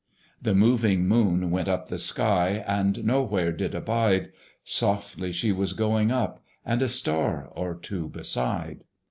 The moving Moon went up the sky, And no where did abide: Softly she was going up, And a star or two beside.